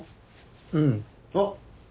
うん。あっ。